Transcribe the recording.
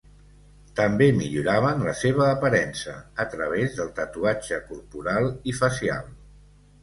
També milloraven la seva aparença a través del tatuatge corporal i facial.